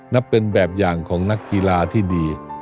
นับเป็นแบบอย่างของนักกีฬาที่ดี